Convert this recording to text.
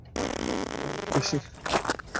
ও ভাবে বেশি।